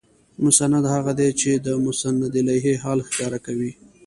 مسند هغه دئ، چي چي د مسندالیه حال ښکاره کوي.